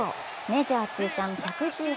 メジャー通算１１８号。